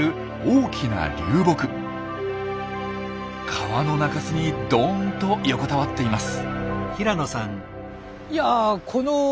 川の中州にどんと横たわっています。